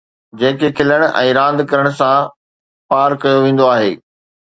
جنهن کي کلڻ ۽ راند ڪرڻ سان پار ڪيو ويندو آهي